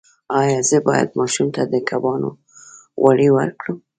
ایا زه باید ماشوم ته د کبانو غوړي ورکړم؟